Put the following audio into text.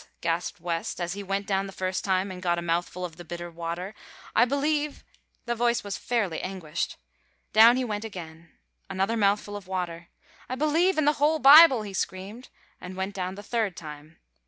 gasped West, as he went down the first time and got a mouthful of the bitter water, "I believe " The voice was fairly anguished. Down he went again. Another mouthful of water. "I believe in the whole Bible!" he screamed, and went down the third time.